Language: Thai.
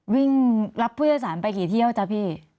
วิ่งรับผู้โดยสารไปกี่เที่ยวจ๊ะพี่